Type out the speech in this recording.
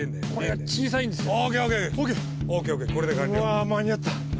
あぁ間に合った。